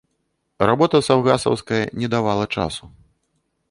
Работа саўгасаўская не давала часу.